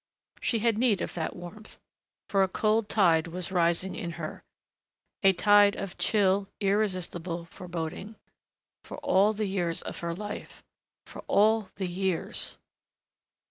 She had need of that warmth. For a cold tide was rising in her, a tide of chill, irresistible foreboding.... For all the years of her life.... For all the years....